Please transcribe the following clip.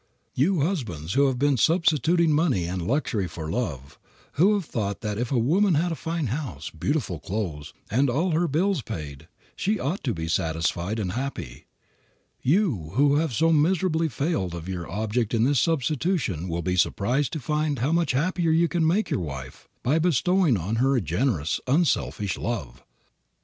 You husbands who have been substituting money and luxury for love, who have thought that if a woman had a fine house, beautiful clothes and all her bills paid, she ought to be satisfied and happy; you who have so miserably failed of your object in this substitution will be surprised to find how much happier you can make your wife by bestowing on her a generous, unselfish love.